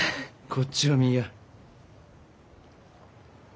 こっちを見いや。